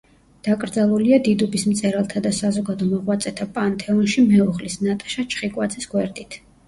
დაკრძალულია დიდუბის მწერალთა და საზოგადო მოღვაწეთა პანთეონში მეუღლის, ნატაშა ჩხიკვაძის, გვერდით.